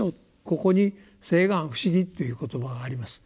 ここに「誓願不思議」という言葉があります。